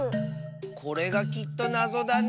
これがきっとなぞだね。